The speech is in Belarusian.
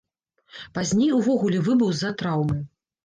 Пазней увогуле выбыў з-за траўмы.